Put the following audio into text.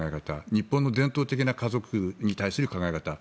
日本の伝統的な家族に対する考え方。